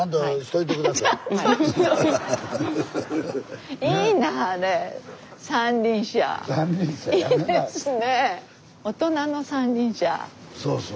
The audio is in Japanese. いいですねえ。